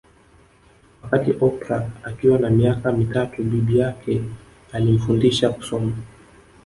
Wakati Oprah Akiwa na miaka mitatu bibi yake alimfundisha kusoma